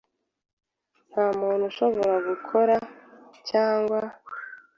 Nta muntu ushobora gukora cyangwa